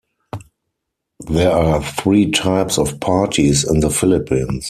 There are three types of parties in the Philippines.